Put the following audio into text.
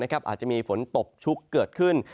อาจจะมีฝนตกชุกเกิดขึ้น